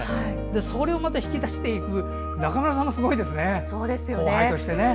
それを引き出していく中村さんもすごいですね後輩として。